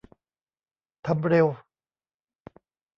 ทำเร็ว